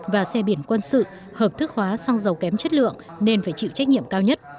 và xe biển quân sự hợp thức hóa xăng dầu kém chất lượng nên phải chịu trách nhiệm cao nhất